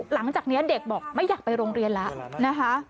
หลังจากนี้เด็กบอกไม่อยากไปโรงเรียนแล้วนะคะ